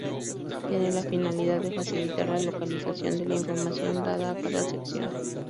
Tiene la finalidad de facilitar la localización de la información dada en cada sección.